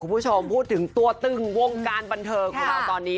คุณผู้ชมพูดถึงตัวตึงวงการบันเทิงของเราตอนนี้